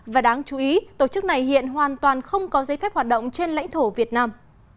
và đáng chú ý tổ chức này hiện hoàn toàn không có giấy phép hoạt động trên lãnh thổ việt nam